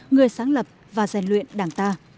người sáng lập và giàn luyện đảng ta